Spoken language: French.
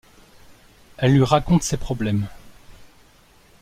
Elle lui raconte ses problèmes.